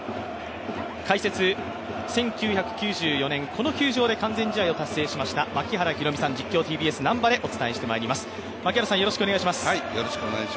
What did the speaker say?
解説、１９９４年、この球場で完全試合を達成しました槙原寛己さん、ＴＢＳアナウンサー南波でお伝えしていきます。